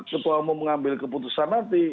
ketua umum mengambil keputusan nanti